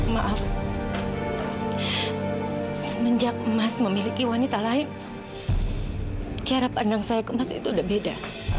maaf semenjak mas memiliki wanita lain cara pandang saya ke emas itu udah beda